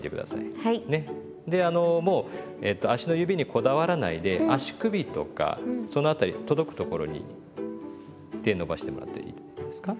あのもう足の指にこだわらないで足首とかその辺り届くところに手伸ばしてもらっていいですか。